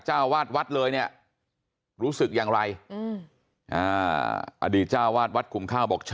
เจ้าวาดวัดเลยเนี่ยรู้สึกอย่างไรอดีตเจ้าวาดวัดคุมข้าวบอก